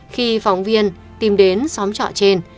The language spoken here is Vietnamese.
khi phóng viên tìm đến xóm trọ trên